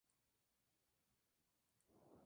Museo y Archivo Histórico.